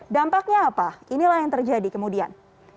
dampaknya apa inilah yang terjadi kemudian